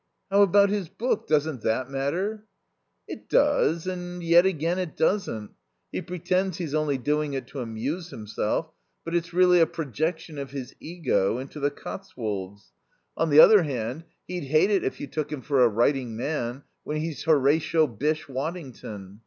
"How about his book? Doesn't that matter?" "It does and yet again it doesn't. He pretends he's only doing it to amuse himself, but it's really a projection of his ego into the Cotswolds. On the other hand, he'd hate it if you took him for a writing man when he's Horatio Bysshe Waddington.